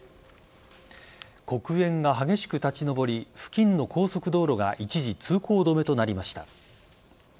黒煙が激しく立ち上り付近の高速道路が一時、通行止めとなりました。